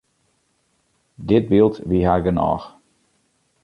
Dit byld wie har genôch.